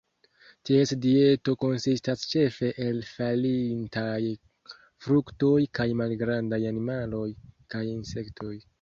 Ties dieto konsistas ĉefe el falintaj fruktoj kaj malgrandaj animaloj, kaj insektoj.